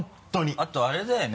あとあれだよね